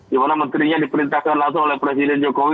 dimana menterinya diperintahkan langsung oleh presiden jokowi